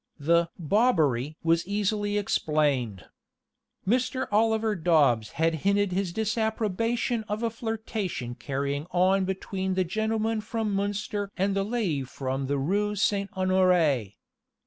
The "bobbery" was easily explained. Mr. Oliver Dobbs had hinted his disapprobation of a flirtation carrying on between the gentleman from Munster and the lady from the Rue St. Honoré.